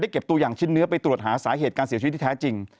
เก็บตัวอย่างชิ้นเนื้อไปตรวจหาสาเหตุการเสียชีวิตที่แท้จริง